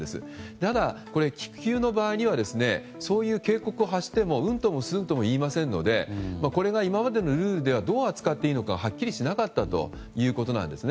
ただ気球の場合にはそういう警告を発してもうんともすんとも言わないのでこれが今までのルールではどう扱っていいのかはっきりしなかったということなんですね。